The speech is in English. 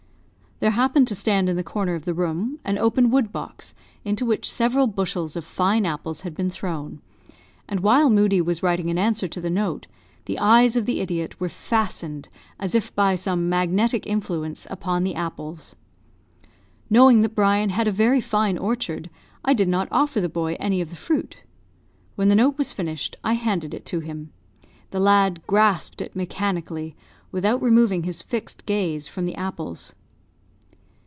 There happened to stand in the corner of the room an open wood box, into which several bushels of fine apples had been thrown; and, while Moodie was writing an answer to the note, the eyes of the idiot were fastened, as if by some magnetic influence, upon the apples. Knowing that Brian had a very fine orchard, I did not offer the boy any of the fruit. When the note was finished, I handed it to him. The lad grasped it mechanically, without removing his fixed gaze from the apples.